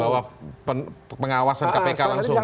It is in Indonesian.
di bawah pengawasan kpk langsung